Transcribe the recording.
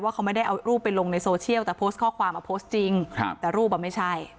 เขาไม่ได้เอารูปไปลงในโซเชียลแต่โพสต์ข้อความเอาโพสต์จริงครับแต่รูปอ่ะไม่ใช่